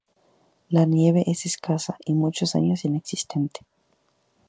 La nieve es escasa y muchos años inexistente.